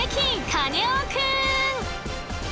カネオくん！